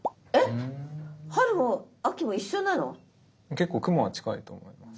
結構雲は近いと思います。